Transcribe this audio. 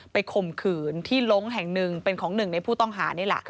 ข่มขืนที่ลงแห่งหนึ่งเป็นของหนึ่งในผู้ต้องหานี่แหละ